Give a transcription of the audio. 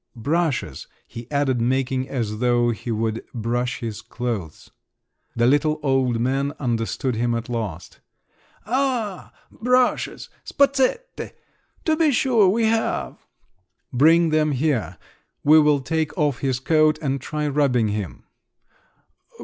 "Brushes," he added, making as though he would brush his clothes. The little old man understood him at last. "Ah, brushes! Spazzette! to be sure we have!" "Bring them here; we will take off his coat and try rubbing him."